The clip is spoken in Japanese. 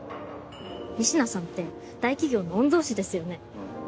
仁科さんって大企業の御曹司ですよね。